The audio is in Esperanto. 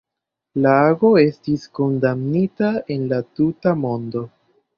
La ago estis kondamnita en la tuta mondo.